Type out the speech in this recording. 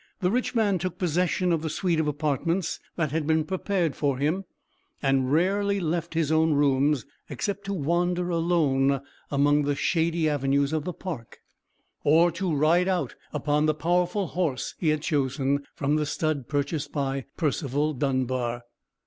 The rich man took possession of the suite of apartments that had been prepared for him, and rarely left his own rooms: except to wander alone amongst the shady avenues of the park: or to ride out upon the powerful horse he had chosen from the stud purchased by Percival Dunbar.